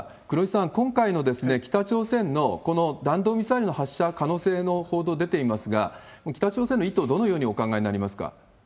黒井さん、今回の北朝鮮のこの弾道ミサイルの発射の可能性の報道出ていますが、北朝鮮の意図、どのようにお考えになりますか？